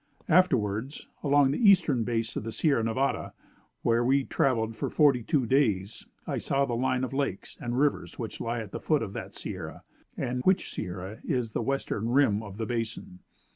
Afterwards, along the eastern base of the Sierra Nevada, where we traveled for forty two days, I saw the line of lakes and rivers which lie at the foot of that Sierra; and which Sierra is the western rim of the Basin.